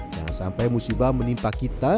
jangan sampai musibah menimpa kita